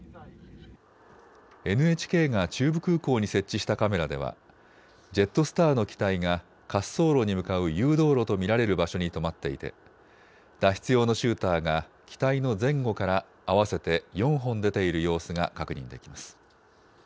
ＮＨＫが中部空港に設置したカメラではジェットスターの機体が滑走路に向かう誘導路と見られる場所に止まっていて脱出用のシューターが機体の前後から合わせて４本出ている様子が確認できます。